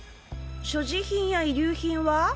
所持品や遺留品は？